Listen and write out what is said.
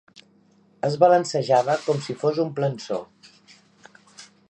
Es balancejava com si fos un plançó.